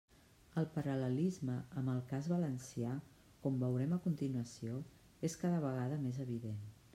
El paral·lelisme amb el cas valencià, com veurem a continuació, és cada vegada més evident.